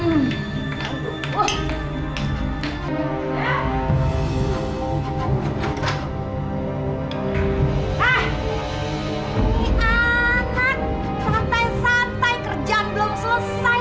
hah anak santai santai kerjaan belum selesai